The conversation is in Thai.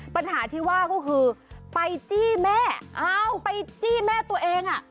ปัญหาที่ว่าก็คือไปจี้แม่อ้าวไปจี้แม่ตัวเองอ่ะ